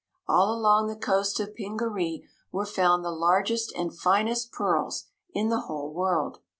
All along the coast of Pingaree were found the largest and finest pearls in the whole world.